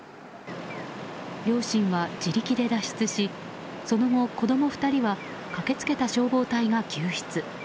両親は自力で脱出しその後、子供２人は駆け付けた消防隊が救出。